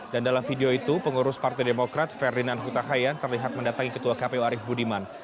dan dalam video itu pengurus partai demokrat ferdinand hutahayan terlihat mendatangi ketua kpu arief budiman